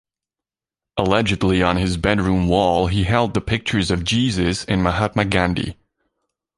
Allegedly, on his bedroom wall he held the pictures of Jesus and Mahatma Gandhi.